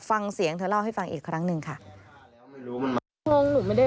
ฟังเสียงเธอเล่าให้ฟังอีกครั้งหนึ่งค่ะ